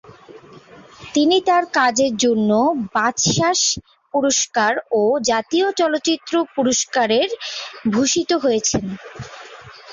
তিনি তার কাজের জন্য বাচসাস পুরস্কার ও জাতীয় চলচ্চিত্র পুরস্কার এর ভূষিত হয়েছেন।